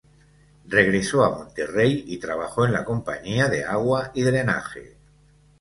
Regresó a Monterrey y trabajó en la compañía de agua y drenaje.